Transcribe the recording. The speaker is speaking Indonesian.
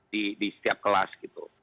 di setiap kelas gitu